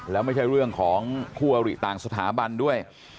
แล้วไม่ใช่เรื่องของคู่อริต่างสถาบันด้วย